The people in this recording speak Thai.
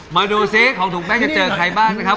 มาดูซิของถุงแป้งจะเจอใครบ้างนะครับ